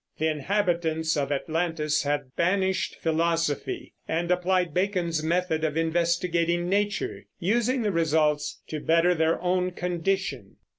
The inhabitants of Atlantis have banished Philosophy and applied Bacon's method of investigating Nature, using the results to better their own condition.